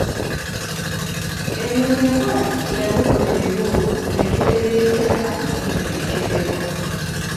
Eno y’enkola ey’anukula ebibuuzo ku bintu ebireetera n’ebyo ebireetebwa.